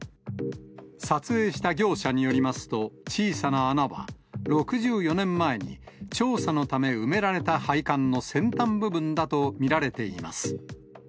撮影した業者によりますと、小さな穴は、６４年前に、調査のため埋められた配管の先端部分だと見られています。